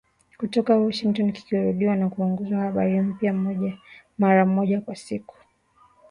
kutoka Washington, kikirudiwa na kuongezewa habari mpya, mara moja kwa siku.